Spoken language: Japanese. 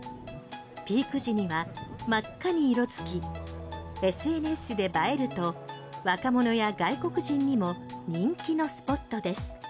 ピーク時には真っ赤に色付きＳＮＳで映えると若者や外国人にも人気のスポットです。